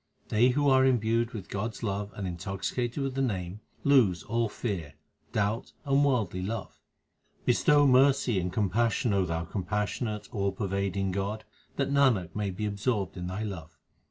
They who are imbued with God s love and intoxicated with the Name, lose all fear, doubt, and worldly love. Bestow mercy and compassion, O Thou compassionate, all pervading God, that Nanak may be absorbed in Thy love.